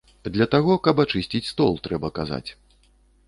Для таго, каб ачысціць стол, трэба казаць.